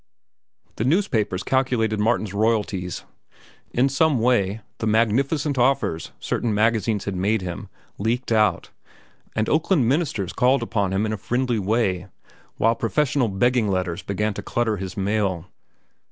The newspapers calculated Martin's royalties. In some way the magnificent offers certain magazines had made him leaked out, and Oakland ministers called upon him in a friendly way, while professional begging letters began to clutter his mail.